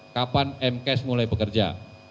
kapan mcash mulai bekerja